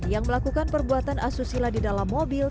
yang melakukan perbuatan asusila di dalam mobil